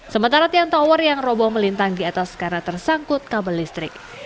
sementara tiang tower yang roboh melintang di atas karena tersangkut kabel listrik